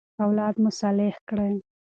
اولاد مو صالح کړئ.